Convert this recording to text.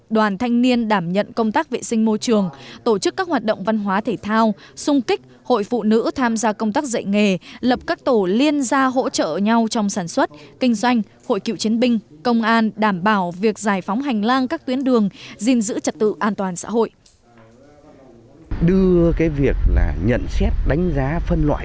đoàn thanh niên đảm nhận công tác vệ sinh môi trường tổ chức các hoạt động văn hóa thể thao sung kích hội phụ nữ tham gia công tác dạy nghề lập các tổ liên gia hỗ trợ nhau trong sản xuất kinh doanh hội cựu chiến binh công an đảm bảo việc giải phóng hành lang các tuyến đường gìn giữ trật tự an toàn xã hội